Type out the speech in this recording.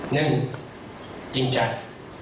หนึ่งจริงใจ